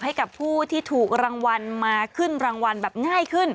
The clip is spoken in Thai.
ให้กับผู้ที่ถูกรางวัลมาขึ้นรางวัลแบบง่ายขึ้น